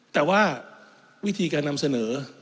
แต่ว่าวิธีการนำเสนอ